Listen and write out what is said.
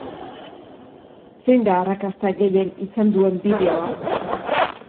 Zein da arrakasta gehien izan duen bideoa?